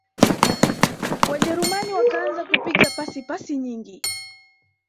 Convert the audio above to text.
wajerumani wakaanza kupiga pasi pasi nyingi